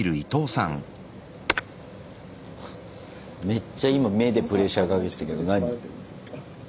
めっちゃ今目でプレッシャーかけてたけど何？